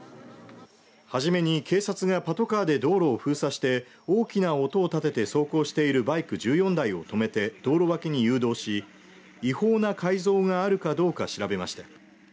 はじめに警察がパトカーで道路を封鎖して大きな音を立てて走行しているバイク１４台を止めて道路脇に誘導し違法な改造があるかどうか調べました。